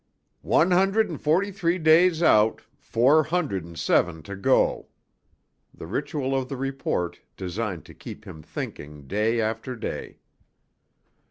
"One hundred and forty three days out, four hundred and seven to go." The ritual of the report, designed to keep him thinking, day after day.